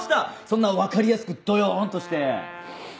そんな分かりやすくどよんとして。